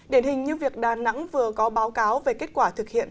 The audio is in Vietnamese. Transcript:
điển hình như việc đà nẵng vừa có báo cáo về kết quả thực hiện